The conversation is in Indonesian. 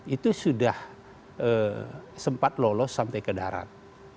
itu sudah sempat lolos sampai ke darat